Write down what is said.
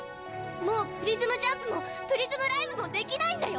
もうプリズムジャンプもプリズムライブもできないんだよ！